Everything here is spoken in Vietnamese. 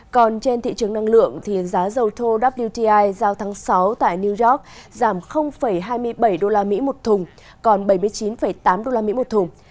còn trên thị trường năng lượng giá dầu thô wti giao tháng sáu tại new york giảm hai mươi bảy usd một thùng còn bảy mươi chín tám usd một thùng